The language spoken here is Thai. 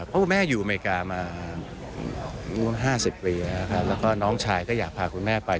เพราะคุณแม่อยู่อเมริกามา๕๐ปีนะครับแล้วก็น้องชายก็อยากพาคุณแม่ไป